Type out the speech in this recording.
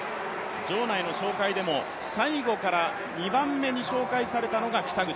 場内の紹介でも最後から２番目に紹介されたのが北口